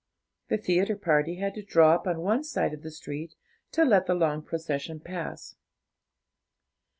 The theatre party had to draw up on one side of the street to let the long procession pass.